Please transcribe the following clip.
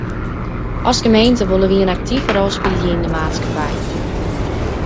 As gemeente wolle wy in aktive rol spylje yn de maatskippij.